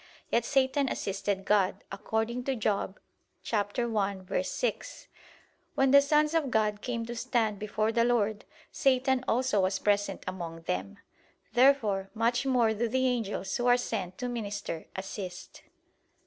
Yet Satan assisted God, according to Job 1:6: "When the sons of God came to stand before the Lord, Satan also was present among them." Therefore much more do the angels, who are sent to minister, assist.